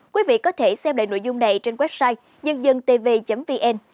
quý vị có thể xem lại nội dung này trên website nhândân tv vn